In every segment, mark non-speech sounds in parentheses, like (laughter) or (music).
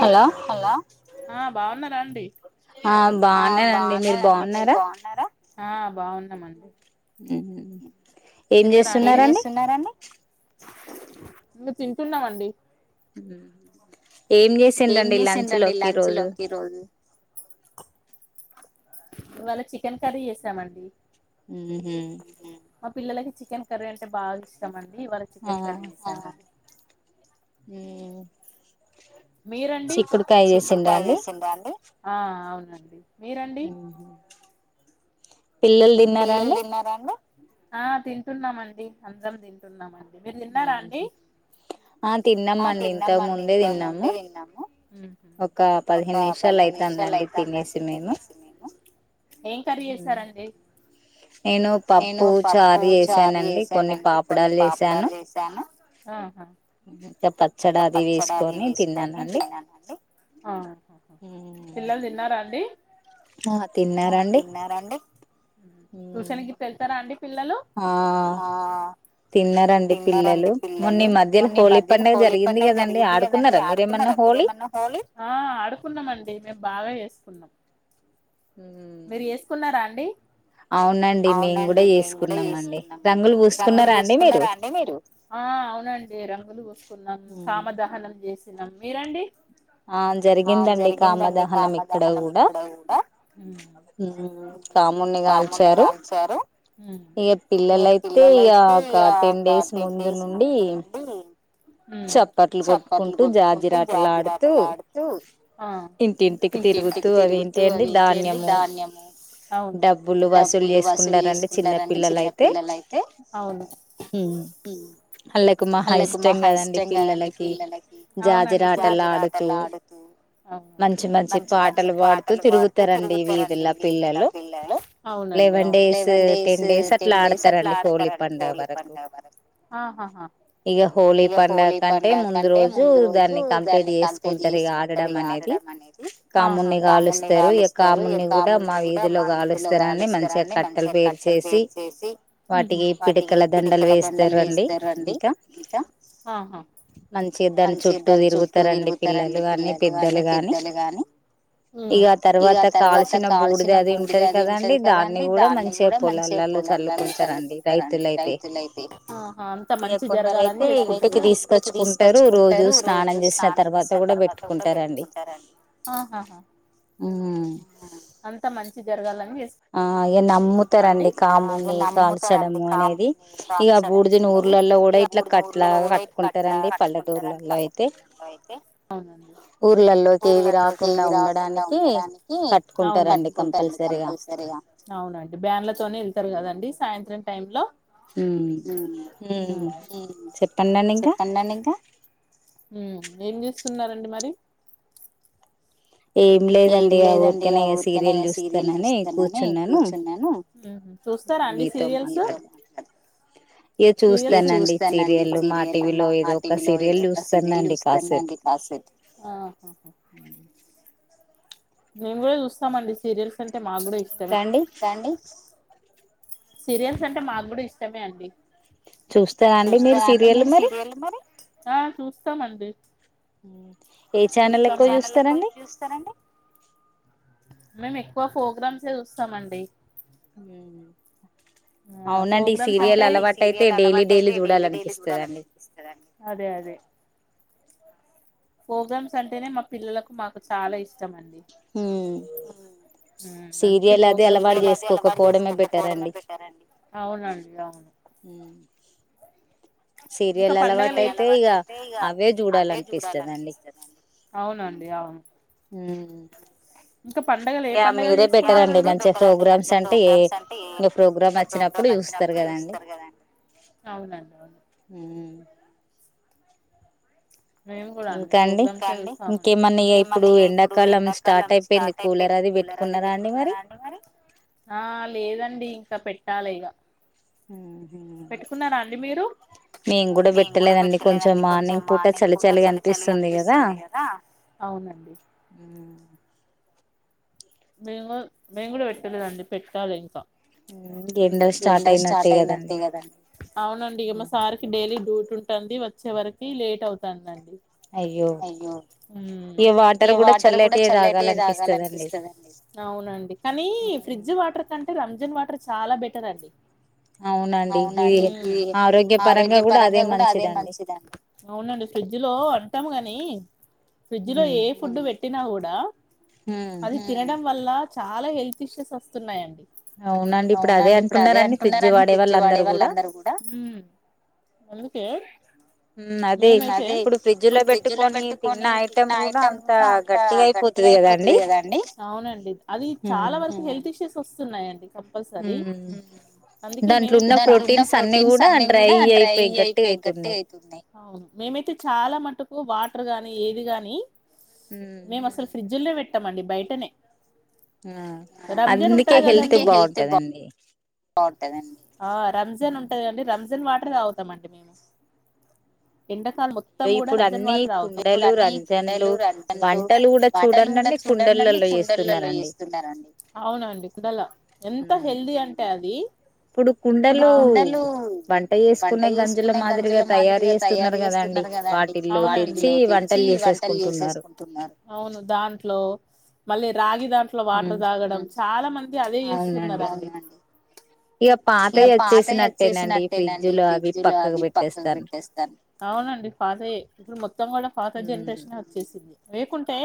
Hello ఆ బాగున్నారండి, మీరు బాగున్నారా? ఆ బాగున్నామండి. ఏం చేస్తున్నారండి. నువ్ తింటున్నవండి. ఏం చేసింరండి లంచ్ లోకి రోజు? ఇవాళ చికెన్ కర్రీ చేసామండి. ఉమ్ మా పిల్లలకి చికెన్ కర్రీ అంటే బాగా ఇష్టంమండి, ఇవాళ చికెన్ కర్రీ చేస ఉమ్ మీరండి, ఆ అవునండి. పిల్లలు తిన్నారా అండి. ఆ తింటున్నామండి, అందరం తింటున్నామండి. ఆ తిన్నామండి, ఇంత ముందే తిన్నాము. ఒక పదిహేను నిమిషాలు అయితాంది అండి తినేసి మేము. ఏం కర్రీ చేసారండి? నేను పప్పు చారు చేసానండి, కొన్ని పాపడాలు చేసాము. ఆహ ఒక పచ్చడ అది వేసుకొని తిన్నానండి. అవున పిల్లలు తిన్నారా అండి? ఆ తిన్నారాండి. ట్యూషన్కి వెళ్తారా అండి పిల్లలు? తిన్నారండి పిల్లలు, మొన్న ఈ మధ్యల హోలీ పండగ జరిగింది కదండి ఆడుకున్నరా ఆ ఆడుకున్నమండి మేము బాగా చేస్ కున్నాం మీరు వేసుకున్నారా అండి? అవునండి మేము కూడా చేసుకున్నాం అండి, రంగులు పూసుకున్నరా అండి మీరు? అవునండి రంగులు పూసుకున్నాం, కామ దహనం చేసినం, మీరండి? ఆ జరిగిందండి కామదహనం ఇక్కడ కూడా కమున్ కామ్ముని కాల్చారు, ఇగ పిల్లలయితే ఇగ ఒక టెన్ డే డేస్ ముందు నుండి చప్పట్లు కొట్టుకుంటే జాజిరి ఆటలాడుతూ ఆ ఇంటింటికి తిరుగుతూ, అవి ఏంటి అండి ధాన్యము అవును డబ్బులు వసూలు చేసుకుంటారండి చిన్న పిల్లలయితే అళ్ళకు మహా ఇష్టం కదండి పిల్లలకి, జాజిరి టలాడుతూ మంచి మంచి పాటలు పాడుతూ తిరుగుతరండి వీధల్లా వెళ్ళారు లెవెన్ డేస్ టెన్ డేస్ అట్లా ఆడతారండి హోలీ పండగ వరకు ఇగ హోలీ పండగ కంటే ముందు రోజు దాన్ని కట్ పెళ్లి చేసుకుంటరు ఇగ ఆడడం అనేది కామున్ని కాలుస్తరు ఇగ కామున్ని గుడ కాలుస్తర తెస్తరండి మంచిగా కట్టలు పేర్చేసి, వాటికి పిడకల దండలు వేస్తరు. డి ఇంకా, మంచిగ దాని చుట్టూ తిరుగు తరండి పిల్లలు గాని పెద్దలు గాని ఇగ తర్వాత కాల్సిన బూడద అది ఉంటది కదండి దాన్ని కూడా మంచి పొలంల చల్లుకుంటారండి రైతులైతే. కొందరు వెళ్లి ఇంటికి తీసుకొచ్చుకుంటరు రోజు స్నానం చేసి తర్వాత గుడ పెట్టుకుంటరండి జరగాలని చే ట రండి, ఆ ఇగ నమ్ముతరండి కామున్నీ కాల్చడము ఇ ఊడి ఊర్లలో కూడా అయి కట్లా కట్టుకుంటారండి పల్ల ర్లలో అయితే ఊర్లలోకి ఏవి రాకుండా ఉండడానికి త్టుకుంటాడి కంపల్సరీ అవునండి బ్యాన్లతోనే వెళ్తారు కదండి సాయంత్రం టైమ్ లో ఉమ్ చెప్పడండి ఇంకా ఉమ్ ఏం చూస్తూన్నారండి మరి ఏం లేదండి ఆ ఊరికమీ ఇ సీరియల్ చూస్తానాను కూర్చున్నాను చూస్తారా అండి సీరియల్స్ ఇగ చూస్తానండి సీరియల్ మా టీవీలో ఏదో ఒక సీరియల్ చూస్తానండి కసిట్ అవును మేము కూడా చూస్తామండి సీరియల్స్ అంటే మాకు కూడా ఇష్టమే సీరియల్స్ అంటే మాకు కూడా ఇష్టమే అండి చూస్తారండి మీరు సీరియల్ మరి ఆ చూస్తామండి ఏ ఛానల్ ఎక్కువ చూస్తారండి మేము ఎక్కువ ఫోగ్రమ్సే చూస్తామండి ఉమ్ అవునండి ఈ సీరియల్ అలవాటు అయితే డైలీ డైలీ చూడాలనిపిస్తదండి అదే అదే ఫోగ్రామ్స్ అంటేనే మా పిల్లలకు మాకు చాలా ఇష్టం అండి ఉమ్ ఉమ్ అందుకే ఫోగ్రామ్స్ అవునండి అవును ఇంకా పండగలు ఏ అవునండి అవును ఉమ్ ఇంకా పండుగలు ఏ పండుగలు చేసుకుంటారండి ప్రోగ్రామ్ వచ్చినప్పుడు చూస్తారు కదండి మేం కూడా అండి ప్రోగ్రామ్సే చూస్తామండి ఆ లేదండి ఇంకా పెట్టాలి ఇగ పెట్టుకున్నారా అండి మీరు మేం కూడా పెట్టలేదండి కొంచెం మార్నింగ్ పూట చలి అవునండి మేము మేము కూడా పెట్టలేదండి పెట్టాలి ఇంకా అవునండి ఇగ మా సార్కి డైలీ డ్యూ పుడతాంది వచ్చే వరకి లేట్ అవుతాందండి అయ్యో ఇగ వాటర్ కూడా చల్లెటివి తాగాలనిపిస్ అవునండి కానీ ఫ్రిడ్జ్ వాటర్ కంటే రంజన్ వాటర్ చాలా బెటర్ అండి అవును అవునండి ఈ ఆరోగ్య పరంగా కూడా అదే మంచిదండి అంటము గాని ఫ్రిడ్జ్ లో ఏ ఫుడ్డు పెట్టినా కూడా అది తినడం వల్ల చాలా హెల్త్ ఇష్యూస్ వస్తున్నాయండి అవునండి ఇప్పుడు అదే అంటున్నరం ఫ్రిడ్జ్ వాడే వాళ్ళ అందరు కూడా అందుకే ఉమ్ అదే ఇప్పుడు ఫ్రిడ్జ్ లో పెట్టుకొని తిన్న ఐటం కూడా అంత గట్టిగా అయిపోతు తది కదా అండి అవునండి అది చాలా వరకు హెల్త్ ఇష్యూస్ వస్తున్నాయండి కంపల్సరీ దాంట్లో ఉన్న ప్రోటీన్స్ అన్ని కూడా డ్రై అయిపోయి గట్టిగా అయితున్నాయి మేమైతే చాలా మటుకు వాటర్ గాని ఏది గాని మేము అసలు ఫ్రిడ్జ్ పెట్టామండి బయటనే ఆ అందుకే హెల్త్ బాగుంటదండి బా రంజాన్ ఉంటది అండి రంజాన్ వా కుండలో తాగుతామండి మేము మొత్తం కూడా రజన్ వాటరే తాగుతాం ఇప్పుడు అన్ని కొండలు రంజాన్లు బటలు కూడా చూడ కుండలలోస్తుడి అవునండి కుండల ఎంత హెల్దీ అంటే ఇప్పుడు కుండలు వంట చేసుకునే గంజుల మాదిరిగా తయారు చేస్త ఉ న్నారు కదండి వాటిలో తెచ్చి వంటలు చేసేసుకుంటున్నారు అవును దాంట్లో మళ్ళీ రాగి దాంట్లో వాటర్ తాగడం చాలా మంది అదే ఇస్తున్నారు ఇక పాతయ వచ్చేసినట్టేనండి ఫ్రిడ్జ్ లో అవి పక్కకు పెట్టేస్తాను అవునండి ఫాదరే ఇప్పుడు మొత్తం కూడా ఫాదర్ జనరేషన్ వచ్చేసింది వేకుంటే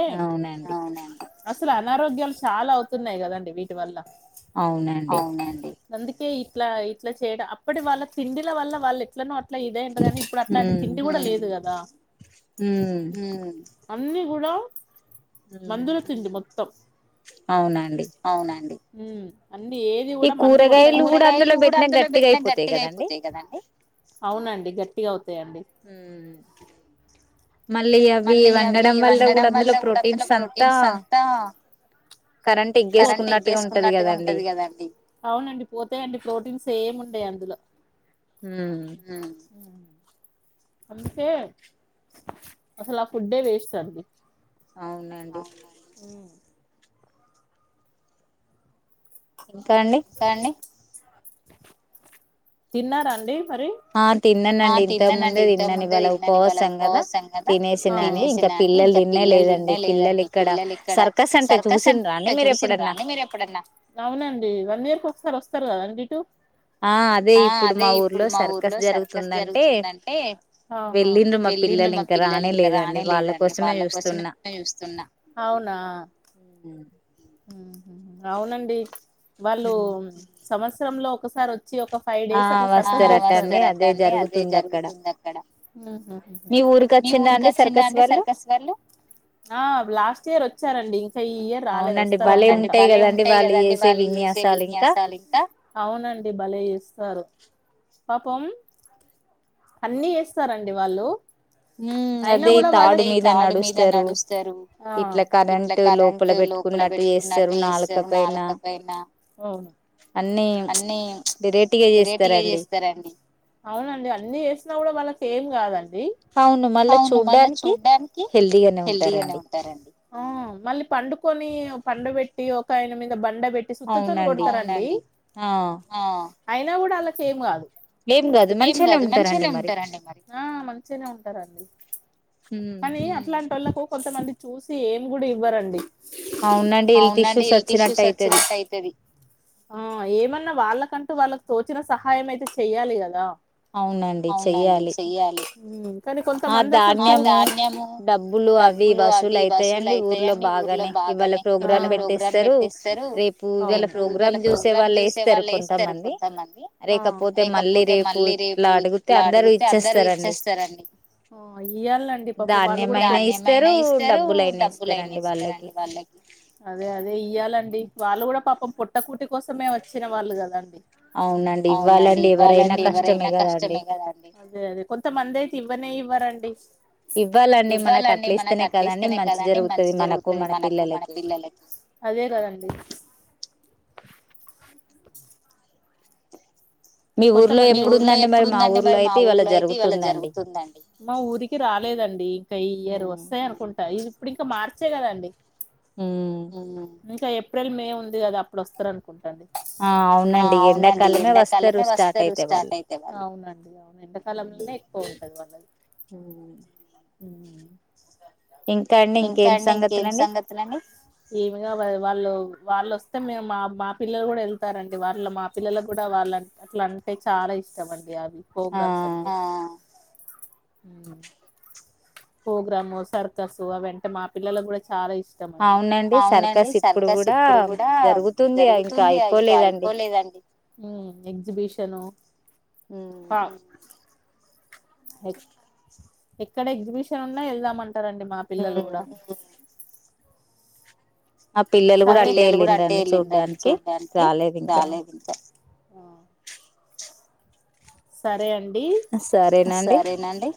అసలు అనారోగ్యాలు చాలా అవుతున్నాయి కదండి వీటి వల్ల అవునండి అందుకే ఇట్లా ఇట్లా చేయడం అప్పటి వాళ్ళ తిండిల వల్ల వాళ్ళు ఇట్ల అట్లా ఇదేంట కానీ ఇప్పుడు అట్లాంటి తిండి కూడా లేదు కదా అన్ని కూడా మందుల తిండి మొత్తం అవునండి అన్ని ఏది కూడా మన కూరగాయలు అందులో పెట్టినా గట్టిగా అయిపోతాయి కదండి అవునండి గట్టిగా అవుతున్న మ మళ్ళీ అవి వండడం వల్ల కూడా అందులో ప్రోటీన్స్ అంతా కరెంట్ ఎగ్గేసుకున్నట్టుగా ఉంటది కదాండి అవునండి పోతండి ప్రోటీన్స్ ఏమి ఏమి ఉండే అందులో ఉ అంతే అసలు ఆ ఫుడ్డే వేస్ట్ అడి అవునండి ఇంకా అండి తిన్నారాండి ఆ తిన్నానండి ఇంతకు ముందే తిన్నాను ఇవాళ ఉపవాసం కదా తినేసి అండి ఇంకా పిల్లలు తిన్నే లేదండి పిల్లలు ఇక్కడ సర్కస్ అంట చూసిందిడి మీరు ఎప్పుడైనా అవునండి వన్ ఇయర్ ఒకసారి వస్తారు కదండి ఇటు ఆ అదే ఇప్పుడు మా ఊర్లో సర్కస్ జరుగుతుందంటే వెళ్ళి ఇందు మా పిల్లలు ఇంకా రానేలేదండి వాళ్ళ కోసమే చూస్తున్నా అవునా ఉ అవునండి వాళ్ళు సంవత్సరంలో ఒకసారి వచ్చి ఒక ఫైవ్ డేస్ అట్లాస్తారు అటన్ని అదే జరుగుతుంది అక్కడ మీ ఊరికి వచ్చిందా అండి సర్కస్ వాళ్ళు ఆ లాస్ట్ ఇయర్ వచ్చారండి ఇయర్ రాలేదు వస్త అండి బలే ఉంటాయి కదండి వాళ్ళే విన్యాసాలు ఇంకా అవు ఉ భలే చేస్తారు పాపం అన్ని చేస్తారండి వాళ్ళు అయి కూడా తాడు మీద నడుస్తారు ఇట్లా కరెంట్ లోపల పెట్టుకున్నట్టు చేస్తారు నాలుక పైన అన్ని వెరైటీగా చేస్త గట్టి చేస్తారండి అవునండి అన్ని చేసిన కూడా వాళ్ళ ఏం కాదండి అవును మళ్ళా చూడ్డానికి హెల్దీగానే ఉంటారండి మళ్ళీ పండుకొని పండబట్టి ఒక ఆయన మీద బండ పెట్టి సుత్తతో కొడతారండి అయినా కూడా వాళ్ళకేం కాదు ఏం కాదు మంచిగానే ఉంటారండి మరి ఆ మంచిగానే ఉంటారండి కానీ అట్లాంటోళ్లకు కొంతమంది చూసి ఈను గూడా ఇవ్వరండి అవునండి హెల్త్ ఇష్యూస్ వచ్చినట్టు అయితది ఆ ఏమన్నా వాళ్ళకంటూ వాళ్ళకు తోచిన సహాయం అయితే చెయ్యాలి గదా అవునండి చెయ్యాలి ధాన్యము డబ్బులు అవి వసూలు అయితాయండి ఊర్లో బా బాగానే ఇవాళ ప్రోగ్రామ్ పెట్టెస్తరు రేపు ఇవాళ ప్రోగ్రామ్ చూసే వాళ్ళేస్తరు. కొంతమంది లేకపోతే మళ్ళీ రేపు ఇట్లా అడిగితే అందరు ఇచ్చేస్తారండి. ఇయ్యాలండి పాప వాళ్ళు కూడా అదే అదే ఇయ్యాలండి వాళ్ళు కూడా పాపం పుట్టకూటి కోసమే వచ్చిన వాళ్ళు కదండి అవునా అవునండి ఇవ్వాలండి ఎవరైనా కష్టమే కదండి ఇవ్వరండీ ఇవ్వాలండి మనకు అట్లా ఇస్తేనే కదండి మంచి జరుగుతుంది మనకు మన పిల్లలకి అదే గదండి మీ ఊర్లో ఎప్పుడుందండి మరి మా ఊర్లో అయితే ఇవాళ జరుగుతుందండి. అండి ఇంకా ఈ ఇయర్ వస్తాయి అనుకుంటా ఇది ఇప్పుడు ఇంకా మార్ ర్చే కదండి ఇంకా ఏప్రిల్ మే ఉంది కదా అప్పుడు వస్తారను ఆ అవునండి ఎండాకాలు వస్తరు స్టార్ట్ అయితే గాని ఉమ్ ఉమ్ ఇంకా అండి ఇంకేం సంగతులండి వాళ్ళోస్తే మేము మా మా పిల్లలు కూడా వెళ్తారండి వాళ్ళ మా పిల్లలు కూడా వాళ్ళ అట్లా అంటే చాలా ఇష్టం అండి అవి ప్రోగ్రామ్స్ ప్రోగ్రాము సర్కస్ అవంటే మా పిల్లలా గూడా అవునండి సర్కస్ ఇప్పుడు కూడా జరుగుతుంది ఇంకా అయిపో ఉమ్ ఎగ్జిమిషను ఉమ్ ఎక్కడ ఎగ్జిమిషన్ ఉన్నా వెళ్దామంట అంటారండి మా పిల్లలు గుడా మా పిల్లలు కూడా అట్టే వెళ్ళిందాన్ని చూడ్డానికి రాలేదు ఇంకా సరే అండి సరే అండి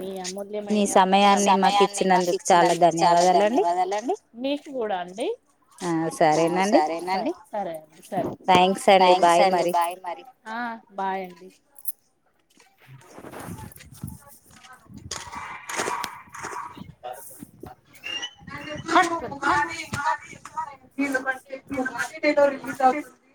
మి మీ సమయాన్ని మాకు ఇచ్చినందుకు చాలా ధన్యవాదాలండి అండి ఆ సరేనండి థ్యాంక్స్ అండి బాయ్ మరి ఆ బాయ్ అండి (unintelligible)